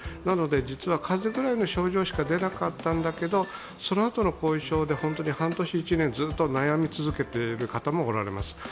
なので実は風邪くらいの症状しか出なかったんだけれども、そのあとの後遺症で半年、１年、ずっと悩み続けてる方もおられます。